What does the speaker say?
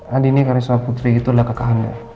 anding karisma putri itu adalah kakak anda